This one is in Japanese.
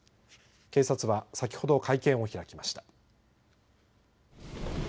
警察は先ほど会見を開きました。